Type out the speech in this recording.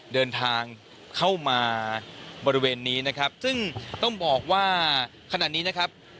เดินทางเข้ามาบริเวณนี้นะครับซึ่งต้องบอกว่าขณะนี้นะครับ